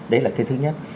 đấy là cái thứ nhất